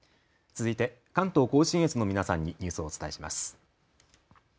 続いて関東甲信越の皆さんにニュースをお伝えします。